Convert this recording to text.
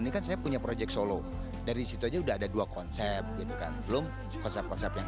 ini kan saya punya proyek solo dari situ aja udah ada dua konsep gitu kan belum konsep konsep yang